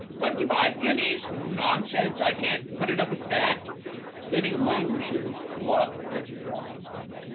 Twenty five guineas?... Nonsense! I can't put it up at that. [_Bidding languishes. Lot withdrawn.